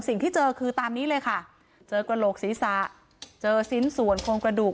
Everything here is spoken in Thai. สิ่งที่เจอคือตามนี้เลยค่ะเจอกระโหลกศีรษะเจอชิ้นส่วนโครงกระดูก